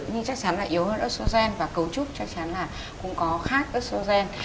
nhưng chắc chắn là yếu hơn estrogen và cấu trúc chắc chắn là cũng có khác estrogen